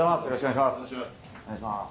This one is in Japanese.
よろしくお願いします。